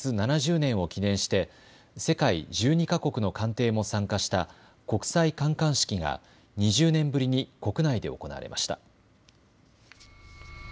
７０年を記念して世界１２か国の艦艇も参加した国際観艦式が２０年ぶりに国内で行われました。